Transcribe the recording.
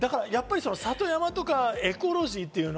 里山とかエコロジーって言うの？